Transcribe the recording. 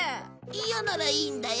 嫌ならいいんだよ。